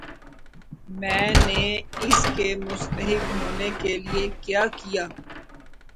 میں نے اس کے مستحق ہونے کے لئے کیا کیا؟